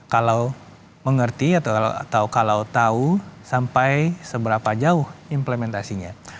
kalau mengerti atau kalau tahu sampai seberapa jauh implementasinya